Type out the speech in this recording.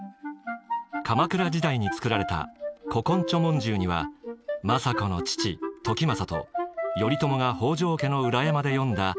鎌倉時代に作られた「古今著聞集」には政子の父時政と頼朝が北条家の裏山で詠んだ